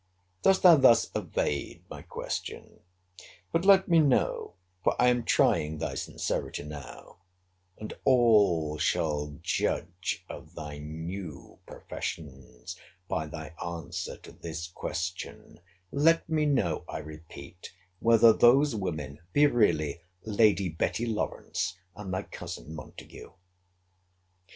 Dost thou thus evade my question? But let me know, for I am trying thy sincerity now, and all shall judge of thy new professions by thy answer to this question; let me know, I repeat, whether those women be really Lady Betty Lawrance and thy cousin Montague?